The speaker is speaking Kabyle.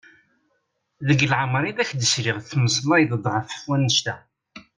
Deg leɛmer i ak-d-sliɣ temmmeslayeḍ-d ɣef wannect-a!